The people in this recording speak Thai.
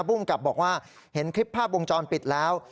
ภูมิกับบอกว่าเห็นคลิปภาพวงจรปิดแล้ว